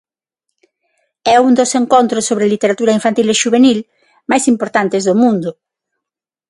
É un dos encontros sobre literatura infantil e xuvenil máis importantes do mundo.